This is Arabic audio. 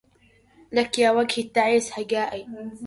لك يا وجهي التعيس هجائي